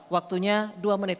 waktunya dua menit